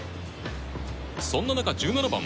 そんな中、１７番。